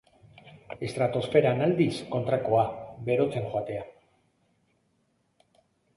Estratosferan aldiz, kontrakoa: berotzen joatea.